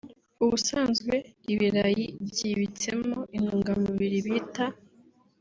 Ubusanzwe ibirayi byibitsemo intungamubiri bita